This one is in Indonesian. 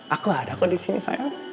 aku ada kok disini sayang